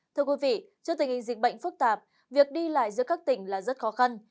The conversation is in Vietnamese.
thưa quý vị trước tình hình dịch bệnh phức tạp việc đi lại giữa các tỉnh là rất khó khăn